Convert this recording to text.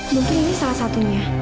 mungkin ini salah satunya